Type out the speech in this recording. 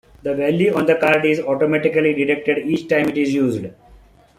The value on the card is automatically deducted each time it is used.